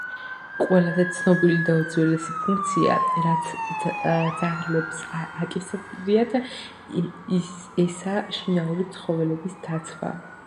ყველაზე ცნობილი და უძველესი ფუნქცია, რაც ძაღლებს აკისრიათ, ესაა შინაური ცხოველების დაცვა